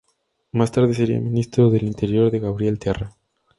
Más tarde sería Ministro del Interior de Gabriel Terra.